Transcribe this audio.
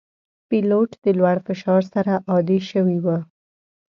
پیلوټ د لوړ فشار سره عادي شوی وي.